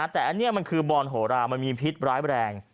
แต่อันนี้มันคือบอนโหรามันมีพิษร้ายแรง